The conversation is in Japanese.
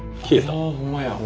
あほんまや。